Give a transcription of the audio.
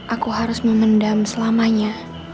aku harus memendam selamanya